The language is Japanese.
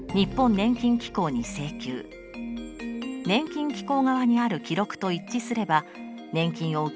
年金機構側にある記録と一致すれば年金を受け取ることができます。